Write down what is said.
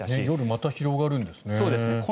夜はまた広がるんですね。